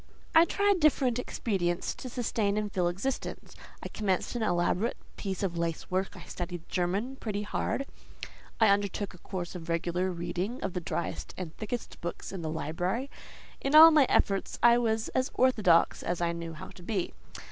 I tried different expedients to sustain and fill existence: I commenced an elaborate piece of lace work, I studied German pretty hard, I undertook a course of regular reading of the driest and thickest books in the library; in all my efforts I was as orthodox as I knew how to be.